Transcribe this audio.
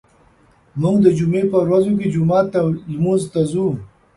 موږ د جمعې په ورځو کې جومات ته لمونځ ته ځو.